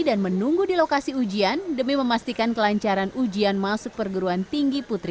dan menunggu di lokasi ujian demi memastikan kelancaran ujian masuk perguruan tinggi putri